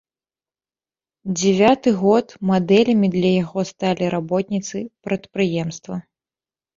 Дзявяты год мадэлямі для яго сталі работніцы прадпрыемства.